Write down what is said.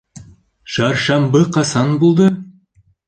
Шаршамбы ҡасан булды?